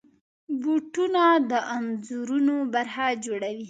بوټونه د انځورونو برخه جوړوي.